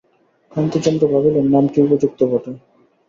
কান্তিচন্দ্র ভাবিলেন নামটি উপযুক্ত বটে!